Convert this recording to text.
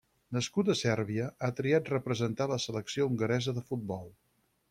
Nascut a Sèrbia, ha triat representar la selecció hongaresa de futbol.